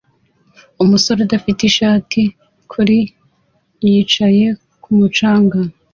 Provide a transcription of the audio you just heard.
umusore udafite ishati kuri yicaye kumu canga